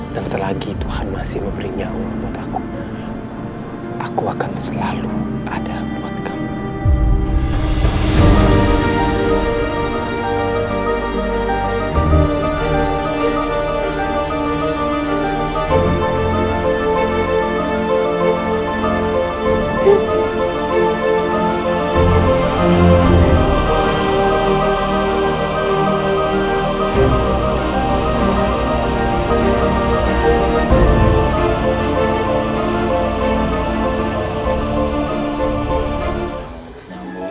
dan selagi tuhan masih memberi nyawa buat aku aku akan selalu ada buat kamu